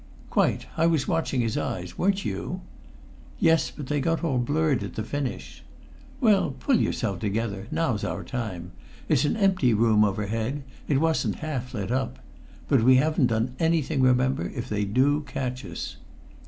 "Quite. I was watching his eyes weren't you?" "Yes but they got all blurred at the finish." "Well, pull yourself together; now's our time! It's an empty room overhead; it wasn't half lit up. But we haven't done anything, remember, if they do catch us."